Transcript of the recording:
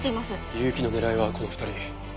結城の狙いはこの２人。